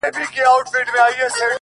د ژوندون ساه او مسيحا وړي څوك،